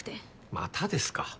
またですか。